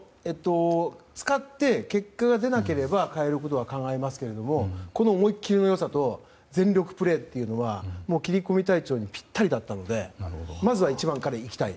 使って、結果が出なければ変えることは考えますけど思い切りの良さと全力プレーというのは切り込み隊長にぴったりだったのでまずは１番からいきたい。